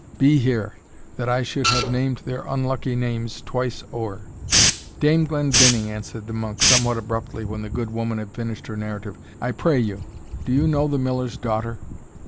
Be here! that I should have named their unlucky names twice ower!" "Dame Glendinning," answered the monk, somewhat abruptly, when the good woman had finished her narrative, "I pray you, do you know the miller's daughter?"